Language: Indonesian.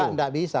tidak tidak bisa